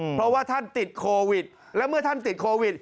เพราะว่าท่านติดโควิดและเมื่อท่านติดโควิด